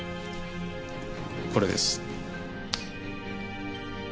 これです。